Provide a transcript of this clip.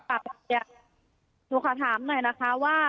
หนูขอถามหน่อยนะคะว่า